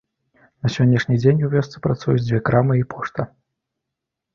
На сённяшні дзень у вёсцы працуюць дзве крамы і пошта.